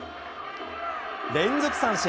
連続三振。